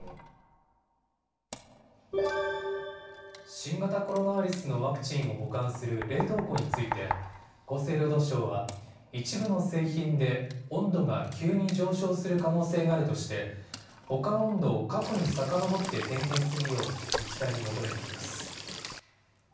新型コロナウイルスのワクチンを保管する冷凍庫について、厚生労働省は、一部の製品で温度が急に上昇する可能性があるとして、保管温度を過去にさかのぼって点検するよう自治体に求めています。